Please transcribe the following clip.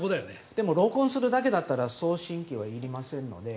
でも録音するだけだったら送信機入りませんので。